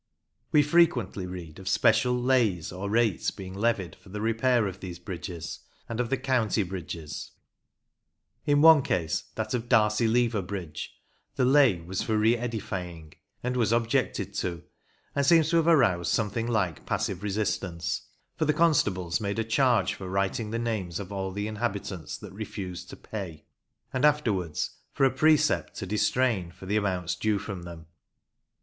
* We frequently read of special " lays," or rates, being levied for the repair of these bridges and of the county bridges. OLD TIME TRAVEL IN LANCASHIRE 59 In one case, that of Darcy Lever bridge, the lay was for " re edifying," and was objected to, and seems to have aroused something like passive resistance, for the constables made a charge for writing the names of all the inhabitants that refused to pay, and afterwards for a precept to distrain for the amounts due from them.